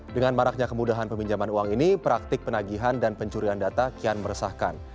dengan maraknya kemudahan peminjaman uang ini praktik penagihan dan pencurian data kian meresahkan